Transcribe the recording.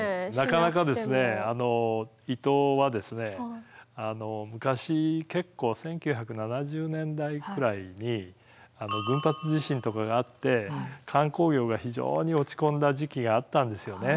なかなか伊東は昔結構１９７０年代くらいに群発地震とかがあって観光業が非常に落ち込んだ時期があったんですよね。